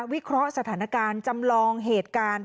วิเคราะห์สถานการณ์จำลองเหตุการณ์